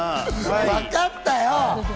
わかったよ！